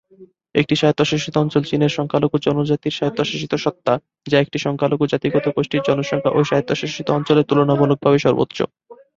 একটি স্বায়ত্তশাসিত অঞ্চল চীনের সংখ্যালঘু জনজাতির স্বায়ত্তশাসিত সত্তা, যা একটি সংখ্যালঘু জাতিগত গোষ্ঠীর জনসংখ্যা ওই স্বায়ত্বশাসিত অঞ্চলে তুলনামূলকভাবে সর্বোচ্চ।